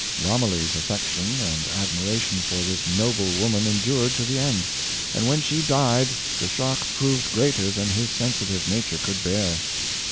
Romilly 's affection and ad miration for this noble woman endured to the end; and when she died the shock proved greater than his sensitive nature could bear.